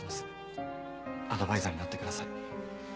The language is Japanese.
アドバイザーになってください。